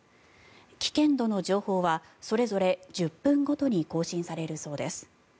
危険度の情報はそれぞれ１０分ごとに更新されるそうです。